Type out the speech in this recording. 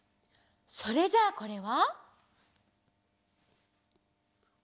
それじゃあこれは？